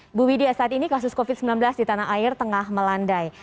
ibu widya saat ini kasus covid sembilan belas di tanah air tengah melandai